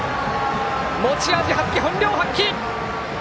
持ち味を発揮、本領発揮！